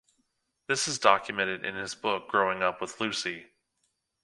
This is documented in his book "Growing up with Lucy".